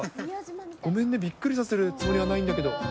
ごめんね、びっくりさせるつもりはないんだけど。